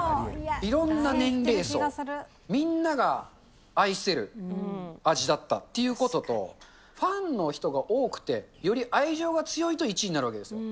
いろんな年齢層、みんなが愛せる味だったということと、ファンの人が多くて、より愛情が強いと１位になるわけですよ。